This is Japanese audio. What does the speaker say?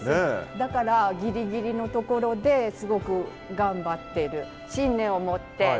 だからギリギリのところですごく頑張ってる。